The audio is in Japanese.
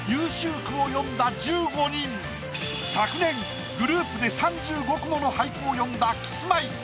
昨年グループで３５句もの俳句を詠んだキスマイ。